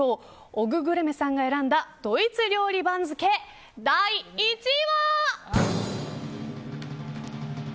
おぐグルメさんが選んだドイツ料理番付、第１位は。